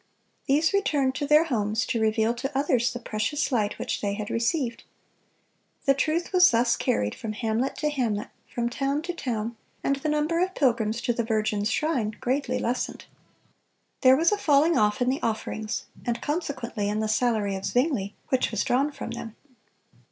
These returned to their homes to reveal to others the precious light which they had received. The truth was thus carried from hamlet to hamlet, from town to town, and the number of pilgrims to the Virgin's shrine greatly lessened. There was a falling off in the offerings, and consequently in the salary of Zwingle, which was drawn from them.